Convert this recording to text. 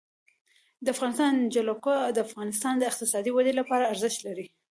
د افغانستان جلکو د افغانستان د اقتصادي ودې لپاره ارزښت لري.